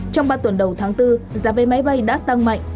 trong ba tuần đầu tháng bốn giá vé máy bay đã tăng mạnh